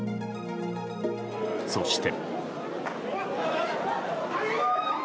そして。